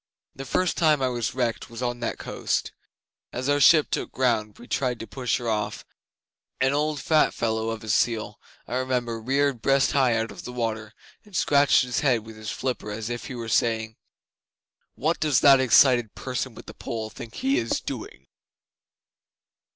'The first time I was wrecked was on that coast. As our ship took ground and we tried to push her off, an old fat fellow of a seal, I remember, reared breast high out of the water, and scratched his head with his flipper as if he were saying: "What does that excited person with the pole think he is doing."